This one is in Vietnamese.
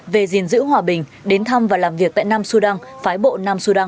về gìn giữ hòa bình đến thăm và làm việc tại nam sudan phái bộ nam sudan